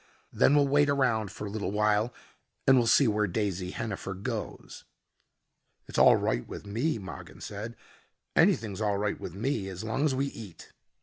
"Then we'll wait around for a little while and we'll see where Daisy Hennifer goes." "It's all right with me," Mogin said: "Anything's all right with me as long as we eat."